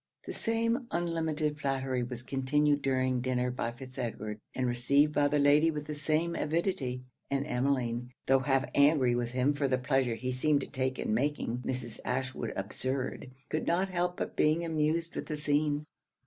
The same unlimited flattery was continued during dinner by Fitz Edward, and received by the lady with the same avidity; and Emmeline, tho' half angry with him for the pleasure he seemed to take in making Mrs. Ashwood absurd, could not help being amused with the scene.